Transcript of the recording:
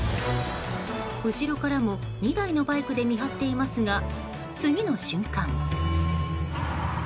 後ろからも２台のバイクで見張っていますが、次の瞬間。